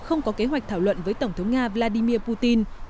không có kế hoạch thảo luận với tổng thống nga vladimir putin